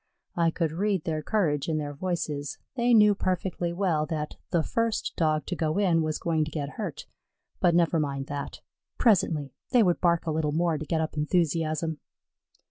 I could read their courage in their voices. They knew perfectly well that the first Dog to go in was going to get hurt, but never mind that presently; they would bark a little more to get up enthusiasm.